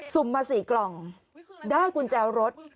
ุ่มมา๔กล่องได้กุญแจรถ